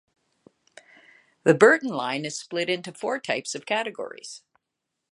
The Burton line is split into Four types of categories.